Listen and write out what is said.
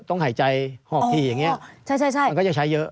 ต้องหายใจหอกขี่อย่างนี้มันก็จะใช้เยอะ